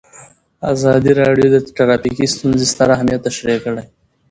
ازادي راډیو د ټرافیکي ستونزې ستر اهميت تشریح کړی.